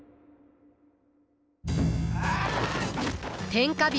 天下人